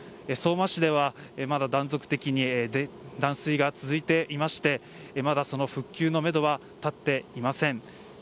相馬市では、まだ断続的に断水が続いていましてまだ復旧のめどは立っていません。